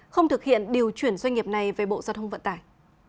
không thực hiện điều chuyển doanh nghiệp này về bộ giao thông vận tải